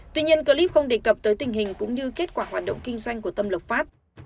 tuy nhiên clip không đề cập tới tình hình cũng như kết quả hoạt động kinh doanh của tâm lộc phát